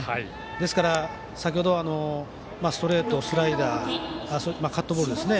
ですから、先ほどストレート、スライダーカットボールですね。